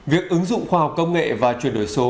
việc ứng dụng khoa học công nghệ và chuyển đổi số